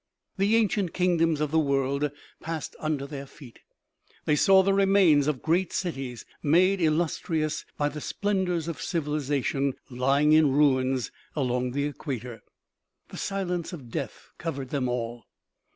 The ancient kingdoms of the world passed under their feet. They saw the remains of great cities, made illus trious by the splendors of civilization, lying in ruins along the equator. The silence of death covered them all.